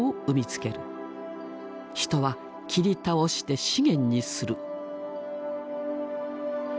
人は切り倒して資源にする。